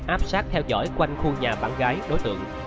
áp sát theo dõi quanh khu nhà bạn gái đối tượng